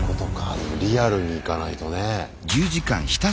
でもリアルにいかないとね。